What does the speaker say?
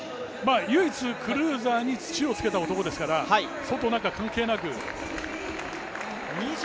唯一、クルーザーに土をつけた男ですから、外中関係なく。